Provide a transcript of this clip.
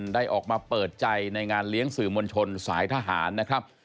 ได้ออกมาเปิดใจในงานเลี้ยงสื่อมวลชนสายทหารนะครับ